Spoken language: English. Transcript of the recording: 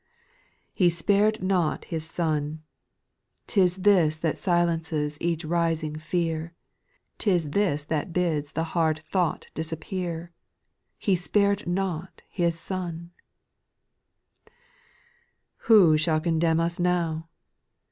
8. He spared not His Son I ' T is this that silences each rising fear, * T is this that bids the hard thought disap pear — He spared not His Son I 4. Who shall condemn us now